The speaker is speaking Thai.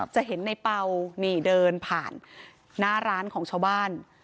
จะเห็นในเป่านี่เดินผ่านหน้าร้านของชาวบ้าน